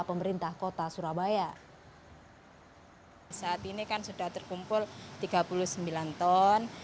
saat ini kan sudah terkumpul tiga puluh sembilan ton